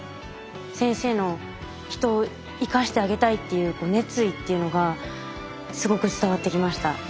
先生の人を生かしてあげたいっていう熱意っていうのがすごく伝わってきました。